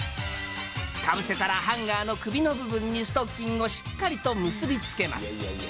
かぶせたら、ハンガーの首の部分にストッキングをしっかりと結び付けます。